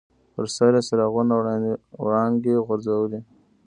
پر سر یې څراغونو وړانګې غورځولې.